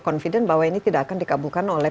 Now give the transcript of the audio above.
confident bahwa ini tidak akan dikabulkan oleh